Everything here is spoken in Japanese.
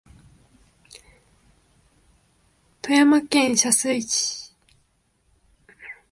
富山県射水市